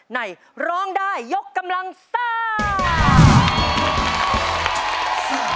ในร้องได้ยกกำลังซ่า